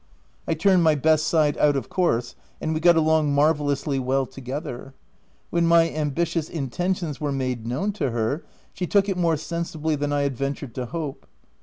I turned my best side out of course, and we got along marvellously well to gether. When my ambitious intentions were made known to her, she took it more sensibly than I had ventured to hope.